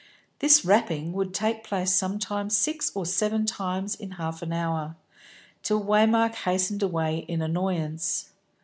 This rapping would take place sometimes six or seven times in half an hour, till Waymark hastened away in annoyance.